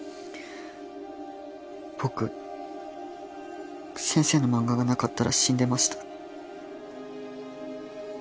僕先生の漫画がなかったら死んでました。